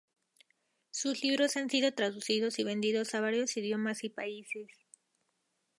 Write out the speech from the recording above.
Sus libros han sido traducidos y vendidos a varios idiomas y países.